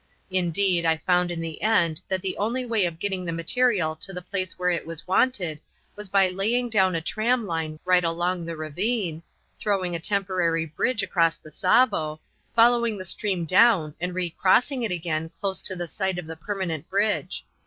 Indeed, I found in the end that the only way of getting the material to the place where it was wanted was by laying down a tram line right along the ravine, throwing a temporary bridge across the Tsavo, following the stream down and re crossing it again close to the site of the permanent bridge.